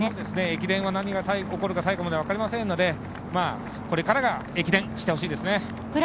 駅伝が何が起こるか最後まで分かりませんのでこれからが駅伝してほしいですね。